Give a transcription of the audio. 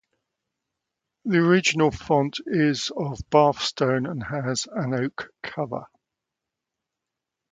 The original font is of Bath stone and has an oak cover.